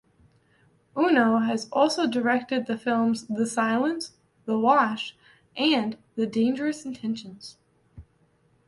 Uno has also directed the films "The Silence", "The Wash", and "Dangerous Intentions".